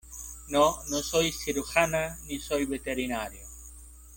no, no soy cirujana ni soy veterinario.